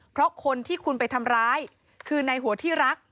เพราะคนที่คุณไปทำร้ายคือในหัวที่รัก